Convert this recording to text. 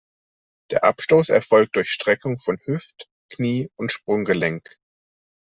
Der Abstoß erfolgt durch Streckung von Hüft-, Knie- und Sprunggelenk.